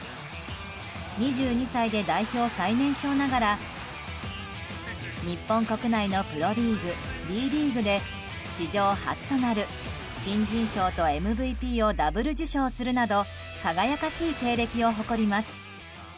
２２歳で代表最年少ながら日本国内のプロリーグＢリーグで史上初となる新人賞とＭＶＰをダブル受賞するなど輝かしい経歴を誇ります。